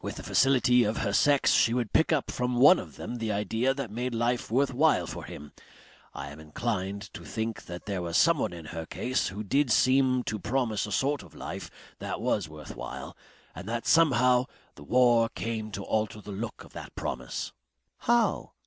With the facility of her sex she would pick up from one of them the idea that made life worth while for him. I am inclined to think there was someone in her case who did seem to promise a sort of life that was worth while. And that somehow the war came to alter the look of that promise. "How?"